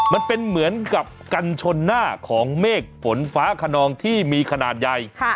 มันเป็นเหมือนกับกันชนหน้าของเมฆฝนฟ้าขนองที่มีขนาดใหญ่